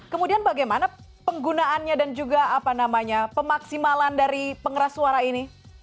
kemudian bagaimana penggunaannya dan juga apa namanya pemaksimalan dari pengeras suara ini